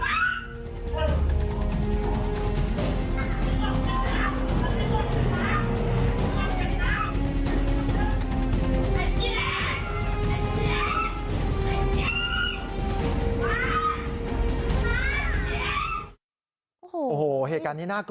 อันนี้คือคนเจ็บคนแรกเนี่ยนะคะ